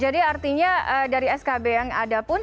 jadi artinya dari skb yang ada pun